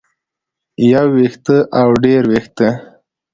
يو وېښتۀ او ډېر وېښتۀ